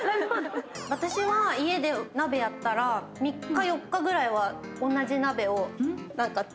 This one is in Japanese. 私は家で鍋やったら３日４日ぐらいは。